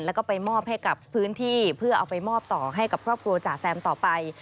แล้วก็ไปมอบให้กับพื้นที่เพื่อเอาไปมอบต่อให้กับครอบครัวจ่าแซมต่อไป